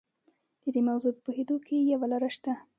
د دې موضوع په پوهېدو کې یوه لاره شته.